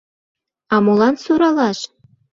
— А молан «суралаш»?